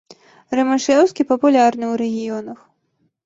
Рымашэўскі папулярны ў рэгіёнах.